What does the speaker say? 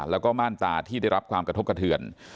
แล้วก็ม่านตาที่ได้รับความกระทบกระเทือน